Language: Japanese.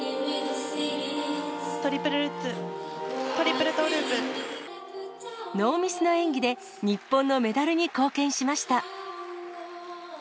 トリプルルッツ、トリプルトノーミスの演技で、日本のメダルに貢献しました。